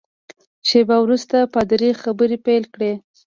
شېبه وروسته پادري خبرې پیل کړې.